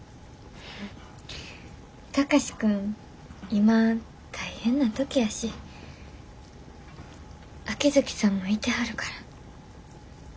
貴司君今大変な時やし秋月さんもいてはるから。